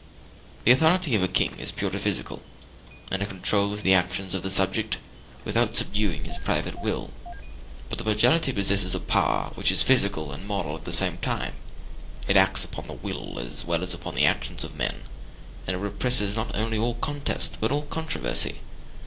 The authority of a king is purely physical, and it controls the actions of the subject without subduing his private will; but the majority possesses a power which is physical and moral at the same time; it acts upon the will as well as upon the actions of men, and it represses not only all contest, but all controversy.